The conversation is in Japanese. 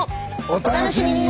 お楽しみに！